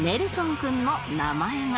君の名前が